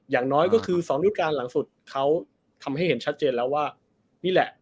อย่างน้อยก็คือ๒รูปการณ์หลังสุดเขาทำให้เห็นชัดเจนแล้วว่านี่แหละ